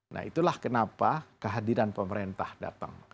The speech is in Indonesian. nah itulah kenapa kehadiran pemerintah datang